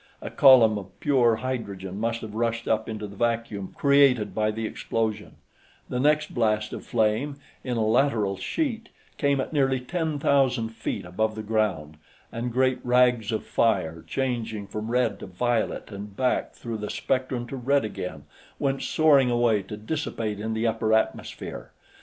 A column of pure hydrogen must have rushed up into the vacuum created by the explosion; the next blast of flame, in a lateral sheet, came at nearly ten thousand feet above the ground, and great rags of fire, changing from red to violet and back through the spectrum to red again, went soaring away to dissipate in the upper atmosphere.